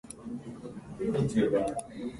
嵐や手からかみなりなどをおこす